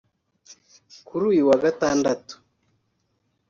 Kuri uyu wa gatandatu